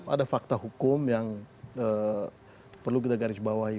ada fakta hukum yang perlu kita garis bawahi